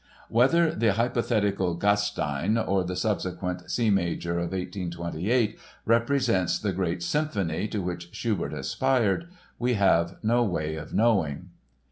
Whether the hypothetical Gastein or the subsequent C major of 1828 represents the "great symphony" to which Schubert aspired we have no way of knowing.